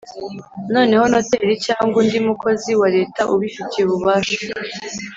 noneho noteri cyangwa undi mukozi wa leta ubifitiye ububasha